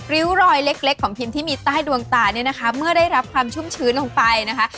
ริ้วรอยเล็กเล็กของพิมพ์ที่มีใต้ดวงตาเนี่ยนะคะเมื่อได้รับความชุ่มชื้นลงไปนะคะ